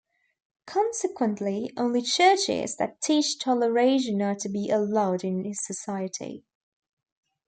Consequently, only churches that teach toleration are to be allowed in his society.